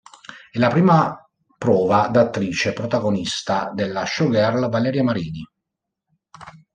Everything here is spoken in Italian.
È la prima prova da attrice protagonista della showgirl Valeria Marini.